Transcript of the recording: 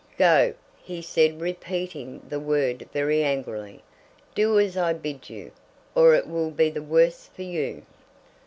"Go," he said repeating the word very angrily. "Do as I bid you, or it will be the worse for you."